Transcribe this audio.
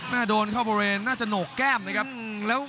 โดนเข้าบริเวณน่าจะโหนกแก้มนะครับ